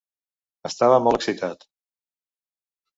Estava molt excitat.